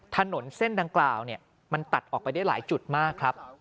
ถนนเส้นดังกล่าวมันตัดออกไปได้หลายจุดมากครับ